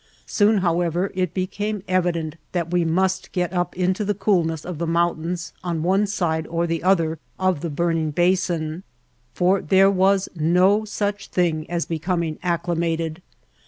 Soon, however, it became evident that we must get up into the coolness of the mountains on one side or the other of the burn ing basin, for there was no such thing as becom ing acclimated.